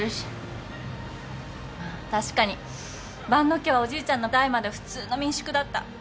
確かに万野家はおじいちゃんの代まで普通の民宿だった。